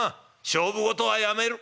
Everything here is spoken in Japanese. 勝負事はやめる。